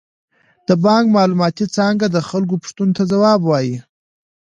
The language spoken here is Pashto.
د بانک معلوماتي څانګه د خلکو پوښتنو ته ځواب وايي.